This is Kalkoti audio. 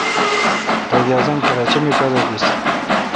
قائد اعظم کراچہ می پادو بیس۔